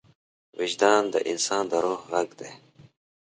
وجدان د انسان د روح غږ دی.